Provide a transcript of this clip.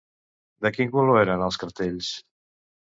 De quin color eren els cartells?